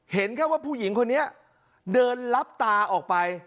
เห็นแค่ว่าผู้หญิงคนนี้เดินลับตาออกไป